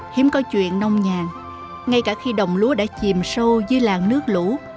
hiếm có chuyện nông nhàn ngay cả khi đồng lúa đã chìm sâu dưới làng nước lũ